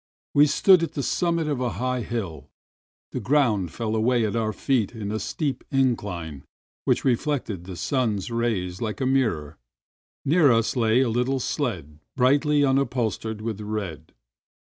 We stood at the summit of a high hill. The ground fell away at our feet in a steep incUne which reflected the sun's rays Uke a mirror. Near us lay a Httle sled brightly upholstered with red.